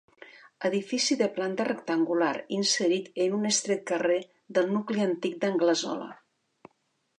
Edifici de planta rectangular, inserit en un estret carrer del nucli antic d'Anglesola.